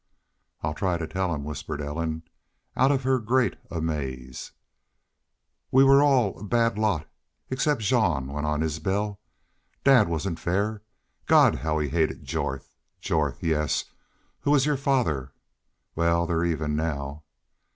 "I'll try to tell him," whispered Ellen, out of her great amaze. "We were all a bad lot except Jean," went on Isbel. "Dad wasn't fair.... God! how he hated Jorth! Jorth, yes, who was your father.... Wal, they're even now."